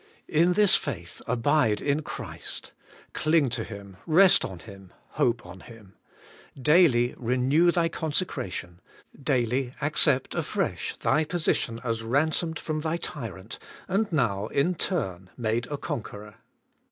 In this faith, abide in Christ! Cling to Him; rest on Him; hope on Him. Daily renew thy conse cration ; daily accept afresh thy position as ransomed from thy tyrant, and now in turn made a conqueror.